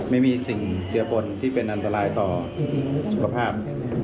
ไม่มีสิ่งเจือปนที่เป็นอันตรายต่อสุขภาพ